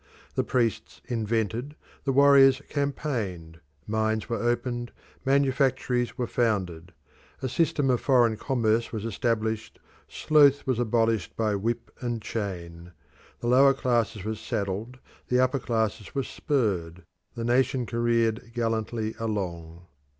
The priests invented, the warriors campaigned; mines were opened, manufactories were founded; a system of foreign commerce was established; sloth was abolished by whip and chain; the lower classes were saddled, the upper classes were spurred; the nation careered gallantly along.